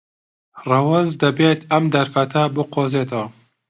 ڕەوەز دەبێت ئەم دەرفەتە بقۆزێتەوە.